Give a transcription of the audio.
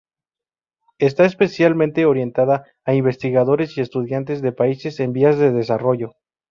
Está especialmente orientada a investigadores y estudiantes de países en vías de desarrollo.